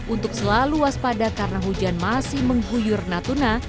untuk selalu waspada karena hujan masih mengguyur natuna